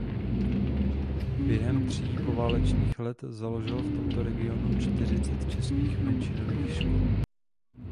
Během tří poválečných let založil v tomto regionu čtyřicet českých menšinových škol.